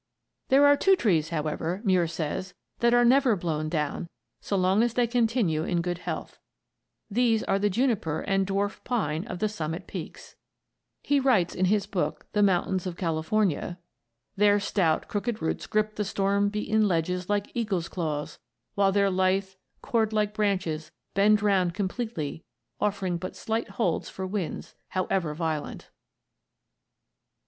There are two trees, however, Muir says, that are never blown down so long as they continue in good health. These are the juniper and dwarf pine of the summit peaks. "Their stout, crooked roots grip the storm beaten ledges like eagle's claws, while their lithe, cord like branches bend round completely, offering but slight holds for winds, however violent."